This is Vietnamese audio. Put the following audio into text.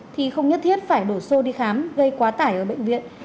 thì không nhất thiết phải đổ xô đi khám gây quá tải ở bệnh viện